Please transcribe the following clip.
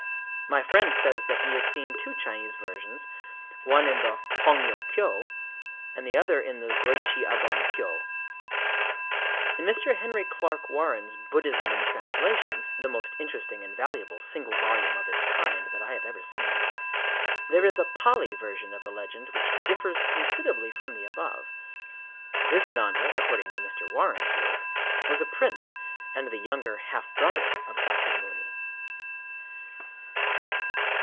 My friend says that he has seen two Chinese versions,—one in the Hongyō kyō (?), the other in the Zōichi agon kyō (Ekôttarâgamas). In Mr. Henry Clarke Warren's Buddhism in Translations (the most interesting and valuable single volume of its kind that I have ever seen), there is a Pali version of the legend, which differs considerably from the above.—This Nanda, according to Mr. Warren's work, was a prince, and the younger half brother of Sâkyamuni.